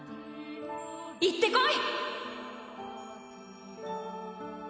行ってこい！